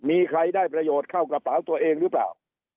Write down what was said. มีใครได้ประโยชน์เข้ากระเป๋าตัวเองหรือเปล่า